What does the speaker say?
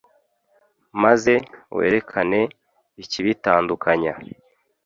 maze werekane ikibitandukanya,